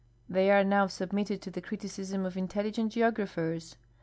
They are now submitted to the criticism of intelligent geographers.